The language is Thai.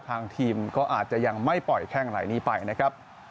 ทางทีมก็อาจจะยังไม่ปล่อยแข้งหลายนี้ไปนะครับ